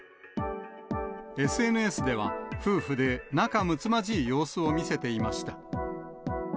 ＳＮＳでは、夫婦で仲むつまじい様子を見せていました。